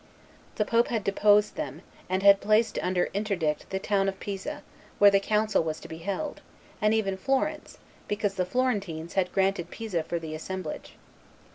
The pope had deposed them, and had placed under interdict the town of Pisa, where the council was to be held, and even Florence, because the Florentines had granted Pisa for the assemblage.